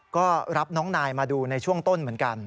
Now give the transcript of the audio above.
ก็รับน้องนายมาดูในช่วงต้นเหมือนกัน